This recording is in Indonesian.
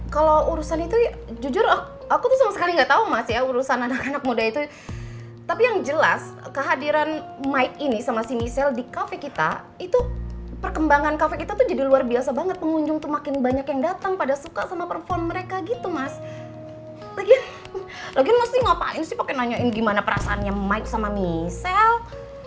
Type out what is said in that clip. kalau urusan itu jujur aku tuh sama sekali gak tau mas ya urusan anak anak muda itu tapi yang jelas kehadiran mike ini sama michelle di cafe kita itu perkembangan cafe kita tuh jadi luar biasa banget pengunjung tuh makin banyak yang datang pada suka sama perform mereka gitu mas lagian mesti ngapain sih pake nanyain gimana perasaannya mike sama michelle